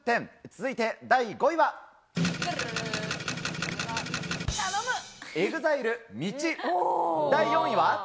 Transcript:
続いて第５位は。